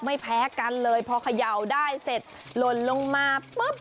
ไม่แพ้กันเลยพอเขย่าได้เสร็จหล่นลงมาปุ๊บ